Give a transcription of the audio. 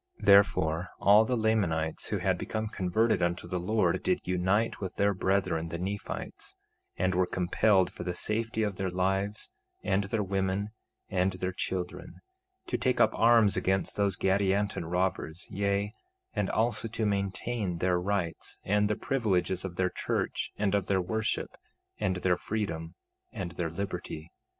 2:12 Therefore, all the Lamanites who had become converted unto the Lord did unite with their brethren, the Nephites, and were compelled, for the safety of their lives and their women and their children, to take up arms against those Gadianton robbers, yea, and also to maintain their rights, and the privileges of their church and of their worship, and their freedom and their liberty.